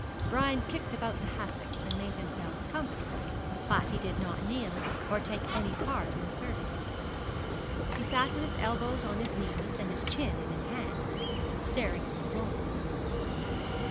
Brian kicked about the hassocks, and made himself comfortable; but he did not kneel, or take any part in the service. He sat with his elbows on his knees, and his chin in his hands, staring at the floor.